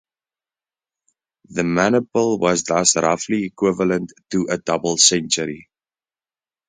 The maniple was thus roughly equivalent to a double century.